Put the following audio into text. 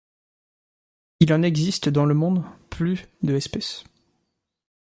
Il en existe dans le monde plus de espèces.